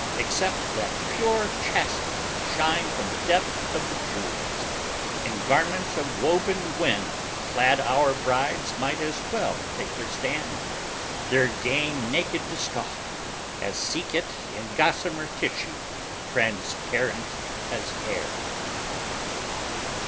Except that pure chastity shine From the depth of the jewels: in garments of woven wind clad Our brides might as well take their stand, their game naked to stalk, As seek it in gossamer tissue transparent as air."